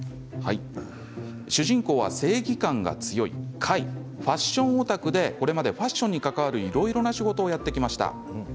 主人公は正義感が強い開ファッションオタクでこれまでファッションに関わるいろんな仕事をやっていきました。